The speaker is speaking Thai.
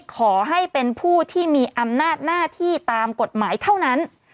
ขอให้เป็นผู้ที่มีอำนาจหน้าที่ตามกฎหมายเท่านั้น